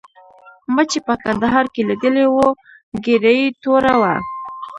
ما چې په کندهار کې لیدلی وو ږیره یې توره وه.